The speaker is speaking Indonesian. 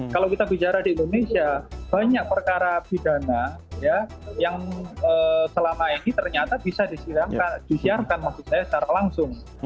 kalau kita bicara di indonesia banyak perkara pidana yang selama ini ternyata bisa disiarkan maksud saya secara langsung